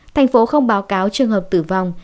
thành phố không báo cáo trường hợp tử vong